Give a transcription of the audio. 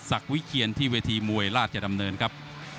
วิเคียนที่เวทีมวยราชดำเนินครับ